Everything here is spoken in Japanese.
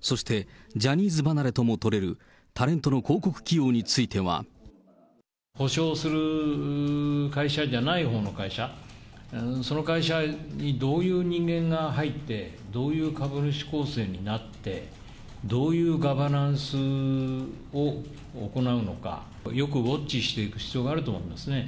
そしてジャニーズ離れとも取れるタレントの広告起用については。補償する会社じゃないほうの会社、その会社にどういう人間が入って、どういう株主構成になって、どういうガバナンスを行うのか、よくウォッチしていく必要があると思いますね。